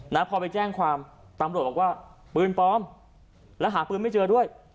นะพอไปแจ้งความตำรวจบอกว่าปืนปลอมและหาปืนไม่เจอด้วย